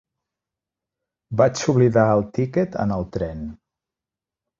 Vaig oblidar el tiquet en el tren.